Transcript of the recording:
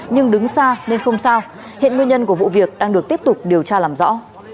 nhưng đứng xa nên không sao hiện nguyên nhân của vụ việc đang được tiếp tục điều tra làm rõ